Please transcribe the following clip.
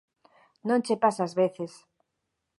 Non che pasa ás veces